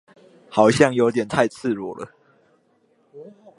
好像有點太赤裸了